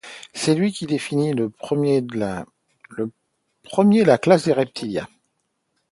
C’est lui qui définit le premier la classe des reptilia.